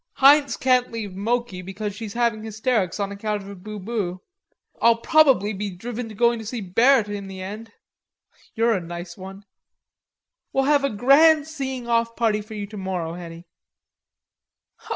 Heinz can't leave Moki because she's having hysterics on account of Bubu. I'll probably be driven to going to see Berthe in the end.... You're a nice one." "We'll have a grand seeing off party for you tomorrow, Henny."